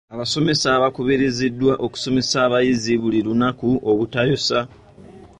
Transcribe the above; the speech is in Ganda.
Abasomesa baakubiriziddwa okusomesa abayizi buli lunaku obutayosa.